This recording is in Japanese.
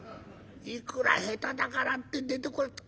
いくら下手だからって出てこねえって。